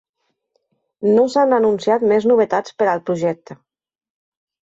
No s'han anunciat més novetats per al projecte.